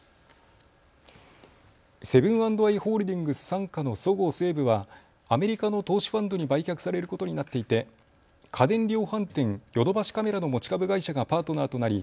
セブン＆アイ・ホールディングス傘下のそごう・西武はアメリカの投資ファンドに売却されることになっていて家電量販店、ヨドバシカメラの持ち株会社がパートナーとなり